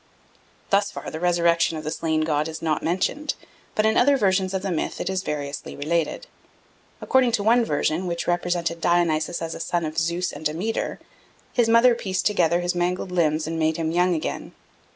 Thus far the resurrection of the slain god is not mentioned, but in other versions of the myth it is variously related. According to one version, which represented Dionysus as a son of Zeus and Demeter, his mother pieced together his mangled limbs and made him young again.